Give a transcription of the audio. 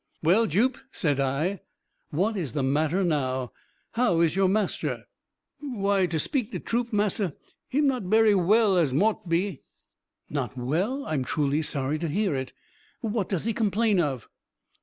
"Well, Jup," said I, "what is the matter now? how is your master?" "Why, to speak de troof, massa, him not so berry well as mought be." "Not well! I am truly sorry to hear it. What does he complain of?"